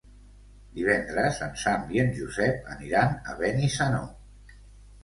Divendres en Sam i en Josep aniran a Benissanó.